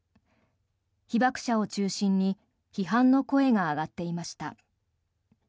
被爆者を中心に批判の声が上がっていました。